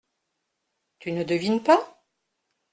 Tu ne devines pas ?